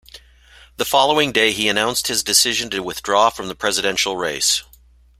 The following day he announced his decision to withdraw from the presidential race.